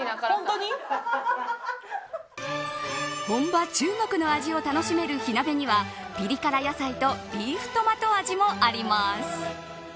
本場中国の味を楽しめる火鍋にはピリ辛野菜とビーフトマト味もあります。